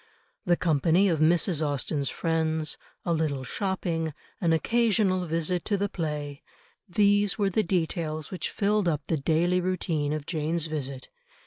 The company of Mrs. Austen's friends, a little shopping, an occasional visit to the play, these were the details which filled up the daily routine of Jane's visit.